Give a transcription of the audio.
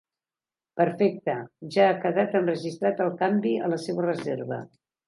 Perfecte, ja ha quedat enregistrat el canvi a la seva reserva.